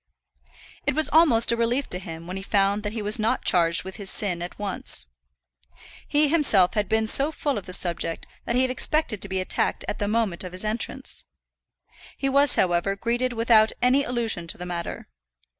It was almost a relief to him when he found that he was not charged with his sin at once. He himself had been so full of the subject that he had expected to be attacked at the moment of his entrance. He was, however, greeted without any allusion to the matter.